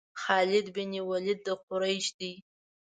خالد بن ولید د قریش دی.